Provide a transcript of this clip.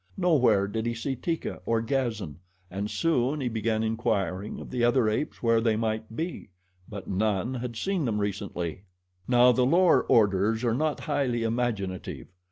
Nowhere did he see Teeka or Gazan, and soon he began inquiring of the other apes where they might be; but none had seen them recently. Now the lower orders are not highly imaginative.